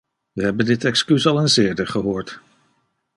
We hebben dit excuus al eens eerder gehoord.